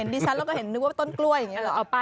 ดิฉันเราก็เห็นนึกว่าต้นกล้วยอย่างนี้หรอ